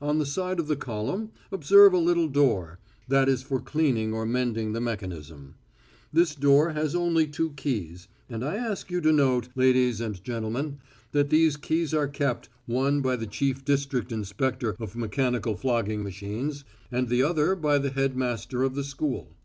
On the side of the column observe a little door, that is for cleaning or mending the mechanism. This door has only two keys, and I ask you to note, ladies and gentlemen, that these keys are kept, one by the chief district inspector of mechanical flogging machines, and the other by the head master of the school.